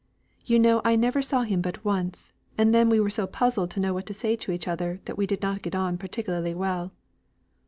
You know I never saw him but once, and then we were so puzzled to know what to say to each other that we did not get on particularly well."